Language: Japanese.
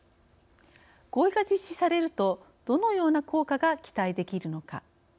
合意が実施されるとどのような効果が期待できるのか。